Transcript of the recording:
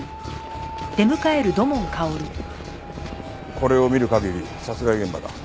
これを見る限り殺害現場だ。